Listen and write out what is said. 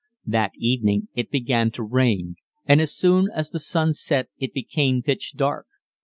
That evening it began to rain, and as soon as the sun set it became pitch dark.